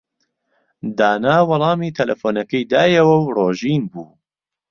دانا وەڵامی تەلەفۆنەکەی دایەوە و ڕۆژین بوو.